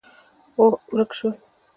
او، ورک شول